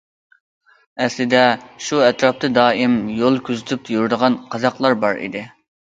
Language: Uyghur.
ئەسلىدە شۇ ئەتراپتا دائىم يول كۆزىتىپ يۈرىدىغان قازاقلار بار ئىدى.